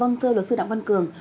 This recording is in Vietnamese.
vâng thưa luật sư đặng văn cường